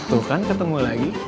tuh kan ketemu lagi